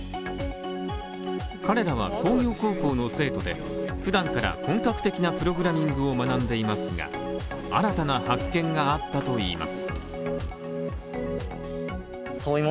彼らは工業高校の生徒で、普段から本格的なプログラミングを学んでいますが新たな発見があったといいます。